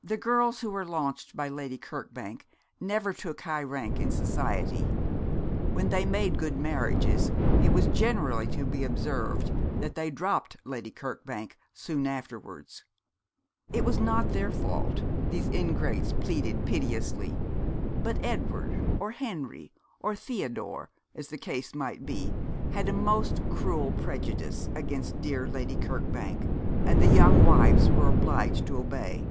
The girls who were launched by Lady Kirkbank never took high rank in society. When they made good marriages it was generally to be observed that they dropped Lady Kirkbank soon afterwards. It was not their fault, these ingrates pleaded piteously; but Edward, or Henry, or Theodore, as the case might be, had a most cruel prejudice against dear Lady Kirkbank, and the young wives were obliged to obey.